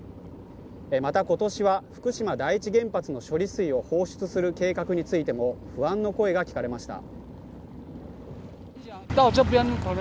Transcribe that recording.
また今年は福島第一原発の処理水を放出する計画についても不安の声が聞かれました